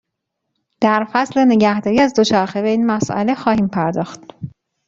در فصل نگهداری از دوچرخه به این مساله خواهیم پرداخت.